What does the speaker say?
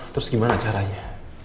terus gimana caranya